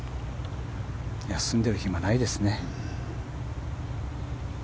休んでいる暇ないですね。